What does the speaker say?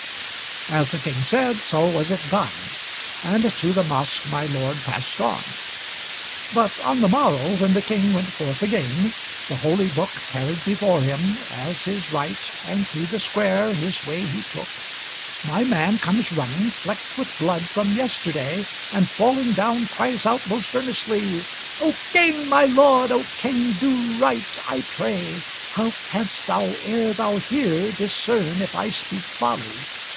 As the King said, so was it done, And to the mosque my lord passed on. But on the morrow when the King Went forth again, the holy book Carried before him, as his right, And through the square his way he took, My man comes running, flecked with blood From yesterday, and falling down Cries out most earnestly: "O King, My lord, O King, do right, I pray! "How canst thou, ere thou hear, discern If I speak folly?